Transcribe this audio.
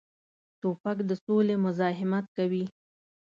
توپک د سولې مزاحمت کوي.